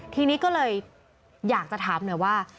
ทีนี้ก็เลยอยากจะถามหน่อยว่า